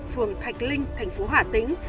phường thạch linh thành phố hả tĩnh